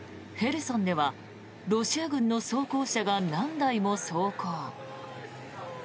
ヘルソンではロシア軍の装甲車が何台も走行。